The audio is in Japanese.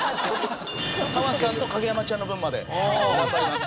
砂羽さんと影山ちゃんの分まで頑張ります。